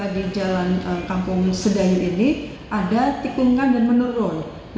di jalan kampung sedayu ini ada tikungan dan menurun